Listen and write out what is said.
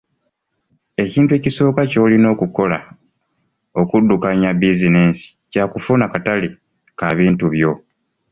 Ekintu ekisooka ky'olina okukola okuddukanya bizinensi kya kufuna katale ka bintu byo.